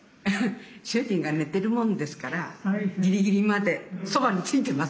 主人が寝てるもんですからギリギリまでそばについてます。